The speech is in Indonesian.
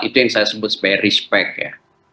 itu yang saya sebut sebagai respect ya